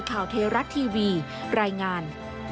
ข่าวเทราะห์ทีวีรายงาน